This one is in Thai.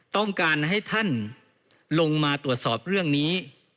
ต้องการให้ท่านลงมาตรวจสอบเรื่องนี้